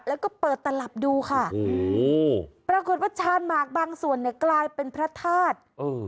แล้วก็เปิดตลับดูค่ะปรากฏว่าชาญหมากบางส่วนเนี่ยกลายเป็นพระธาตุ